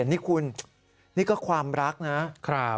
นี่คุณนี่ก็ความรักนะครับ